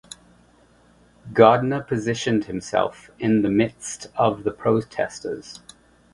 Gardner positioned himself in the midst of the protestors.